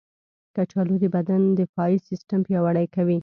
کچالو د بدن دفاعي سیستم پیاوړی کوي.